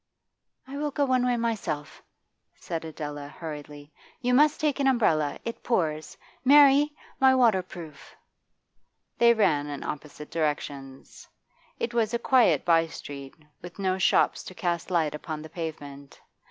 'I will go one way myself,' said Adela hurriedly. 'You must take an umbrella: it pours. Mary! my waterproof!' They ran in opposite directions. It was a quiet by street, with no shops to cast light upon the pavement.